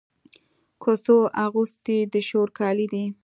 کوڅو اغوستي د شور کالي دی